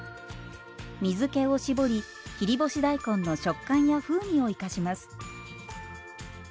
水けをしぼり切り干し大根の食感や風味を生かします。